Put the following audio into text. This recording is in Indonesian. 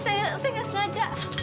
saya gak sengaja